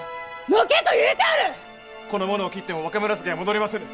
この者を斬っても若紫は戻りませぬ！